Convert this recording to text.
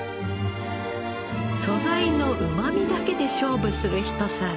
素材のうまみだけで勝負する一皿。